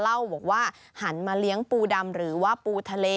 เล่าบอกว่าหันมาเลี้ยงปูดำหรือว่าปูทะเล